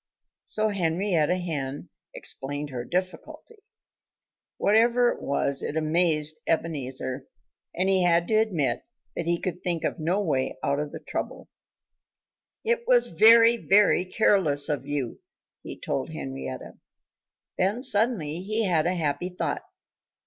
So Henrietta Hen explained her difficulty. Whatever it was, it amazed Ebenezer. And he had to admit that he could think of no way out of the trouble. "It was very, very careless of you," he told Henrietta. Then suddenly he had a happy thought.